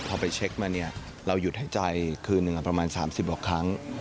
พอไปเช็คมาเนี่ยเราหยุดหายใจคืนหนึ่งประมาณ๓๐กว่าครั้ง